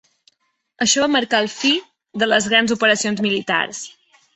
Això va marcar el fi de les grans operacions militars.